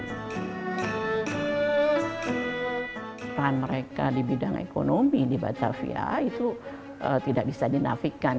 peran mereka di bidang ekonomi di batavia itu tidak bisa dinafikan